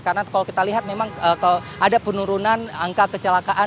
karena kalau kita lihat memang ada penurunan angka kecelakaan